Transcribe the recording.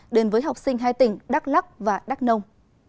đến với học sinh hai tỉnh đắk lắc và đắk nông